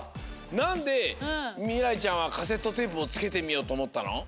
なんでみらいちゃんはカセットテープをつけてみようとおもったの？